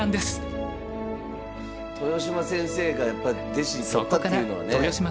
豊島先生がやっぱ弟子取ったっていうのはね。